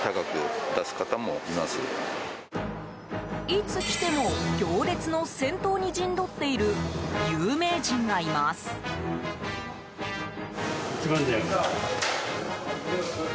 いつ来ても行列の先頭に陣取っている有名人がいます。